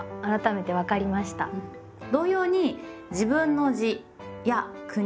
同様に自分の「自」や「国」。